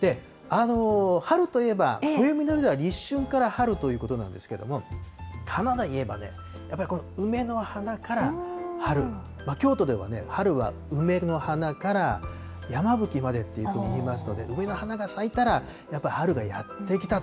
春といえば、暦の上では立春から春ということなんですけども、花でいえば、やっぱりこの梅の花から春、京都では春は梅の花からやまぶきまでっていうふうにいいますので、梅の花が咲いたら、やっぱ春がやってきたと。